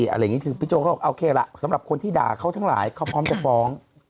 อะไรอย่างนี้คือพี่โกเขาบอกโอเคล่ะสำหรับคนที่ด่าเขาทั้งหลายเขาพร้อมจะฟ้อง